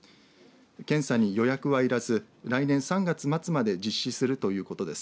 検査に予約は要らず来年３月末まで実施するということです。